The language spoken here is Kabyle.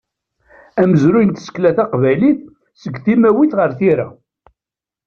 Amezruy n tsekla taqbaylit seg timawit ɣer tira.